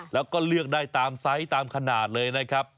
แล้วก็เลือกได้ตามไซส์ตามขนาดเลยนะครับ